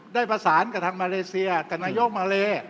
ได้ประสานกับทางมาเลเซียกับนายกมาเล